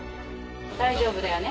大丈夫だよね？